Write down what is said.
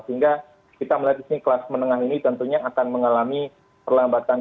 sehingga kita melihat di sini kelas menengah ini tentunya akan mengalami perlambatan